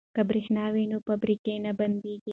که بریښنا وي نو فابریکې نه بندیږي.